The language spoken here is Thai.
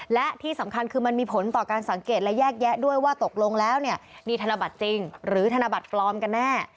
และที่สำคัญคือมันมีผลต่อการสังเกตและแยกแยะด้วยว่าตกลงแล้วเนี่ยมีธนบัตรจริงหรือธนบัตรปลอมกันแน่